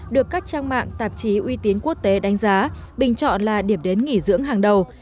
được các trang mạng tạp chí uy tín quốc tế đánh giá bình chọn là điểm đến nghỉ dưỡng hàng đầu